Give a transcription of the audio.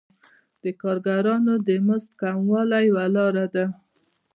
د کارګرانو د مزد کموالی یوه لاره ده